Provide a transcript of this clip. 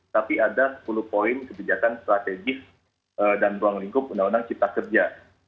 tapi ada sepuluh poin kebijakan strategis dan ruang lingkup undang undang cipta kerja